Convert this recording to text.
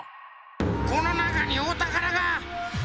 このなかにおたからが！